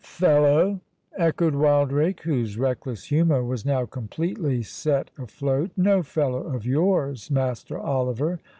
"Fellow!" echoed Wildrake, whose reckless humour was now completely set afloat—"No fellow of yours, Master Oliver.